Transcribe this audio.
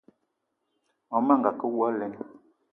Mon manga a ke awou alen!